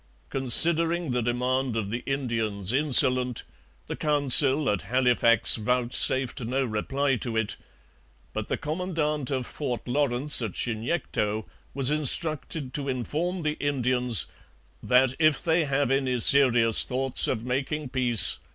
Considering the demand of the Indians insolent, the Council at Halifax vouchsafed no reply to it; but the commandant of Fort Lawrence at Chignecto was instructed to inform the Indians 'that if they have any serious thoughts of making peace...